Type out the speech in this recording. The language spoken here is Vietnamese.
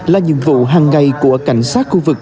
là nhiệm vụ hàng ngày của cảnh sát khu vực